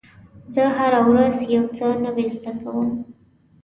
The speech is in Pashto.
زه هره ورځ یو څه نوی زده کوم.